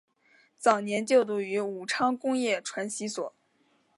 早年就读于武昌工业传习所。